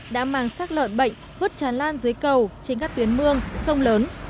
đã mang sắc lợn bệnh vứt tràn lan dưới cầu trên các tuyến mương sông lớn